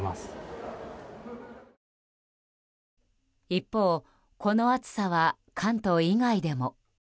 一方、この暑さは関東以外でも。